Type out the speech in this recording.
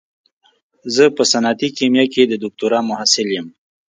زه په صنعتي کيميا کې د دوکتورا محصل يم.